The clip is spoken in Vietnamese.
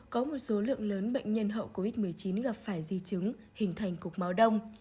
có một số lượng lớn bệnh nhân hậu covid một mươi chín gặp phải di chứng hình thành cục máu đông